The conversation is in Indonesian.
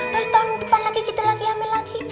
terus tahun depan lagi gitu lagi hamil lagi